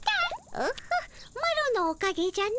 オホッマロのおかげじゃの。